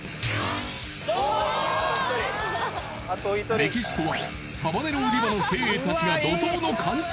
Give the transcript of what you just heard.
メキシコはハバネロ売り場の精鋭たちが怒濤の完食